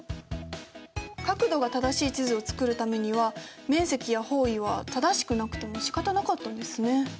角度が正しい地図を作るためには面積や方位は正しくなくてもしかたなかったんですね。